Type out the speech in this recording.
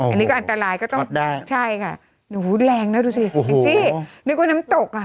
อันนี้ก็อันตรายก็ต้องทอดได้ใช่ค่ะโอ้โหแรงนะดูสิที่นึกว่าน้ำตกอะ